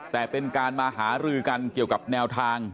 แต่เป็นการมาหารือกันเกี่ยวกับแนวทาง